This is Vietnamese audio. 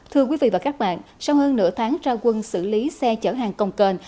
thưa quý vị và các bạn sau hơn nửa tháng ra quân xử lý xe chở hàng công kênh